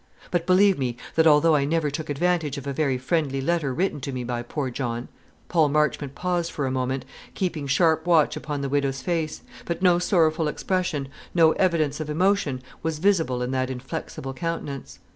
"But believe me, that although I never took advantage of a very friendly letter written to me by poor John " Paul Marchmont paused for a moment, keeping sharp watch upon the widow's face; but no sorrowful expression, no evidence of emotion, was visible in that inflexible countenance.